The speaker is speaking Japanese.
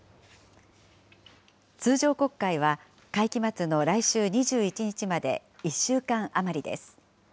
通常国会は、会期末の来週２１日まで１週間余りです。